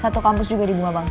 satu kampus juga di bunga bangun